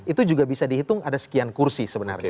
itu juga bisa dihitung ada sekian kursi sebenarnya